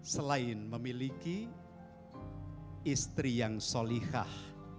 selain memiliki istri yang solikah